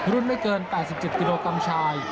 ไม่เกิน๘๗กิโลกรัมชาย